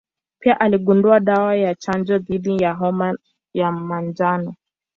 Pia aligundua dawa ya chanjo dhidi ya homa ya manjano.